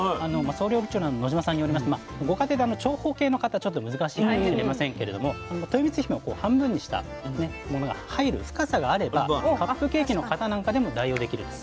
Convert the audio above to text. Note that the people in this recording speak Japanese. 総料理長の野島さんによりますとご家庭で長方形の型ちょっと難しいかもしれませんけれどもとよみつひめを半分にしたものが入る深さがあればカップケーキの型なんかでも代用できるということなんです。